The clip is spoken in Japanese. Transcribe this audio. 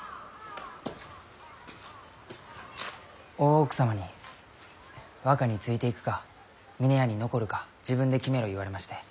大奥様に若についていくか峰屋に残るか自分で決めろ言われまして。